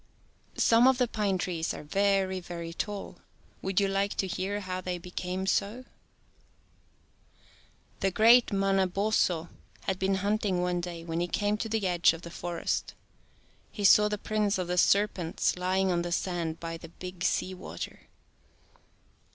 Some of the pine trees are very, very tall. Would you like to hear how they became so ? The great Manabozho had been hunting one day when he came to the edge of the forest. He saw the prince of the serpents lying on the sand by the Big Sea Water.